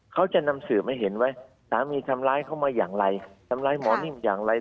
เขาจะนำสืบให้เห็นไหมสามีทำร้ายเขามาอย่างไรทำร้ายหมอนิ่มอย่างไร